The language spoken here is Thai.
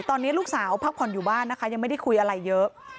ตอนนี้ลูกสาวพักผ่อนอยู่บ้านนะคะยังไม่ได้คุยอะไรเยอะ